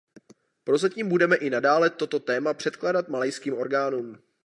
Prozatím budeme i nadále toto téma předkládat malajským orgánům.